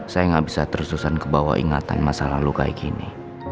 saya gak bisa tersusan kebawa ingatan masa lalu kayak gini